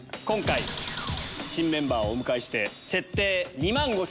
今回新メンバーをお迎えして設定２万５０００円。